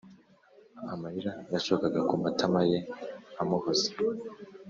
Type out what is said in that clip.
amarira yashokaga ku matamaye amuhoza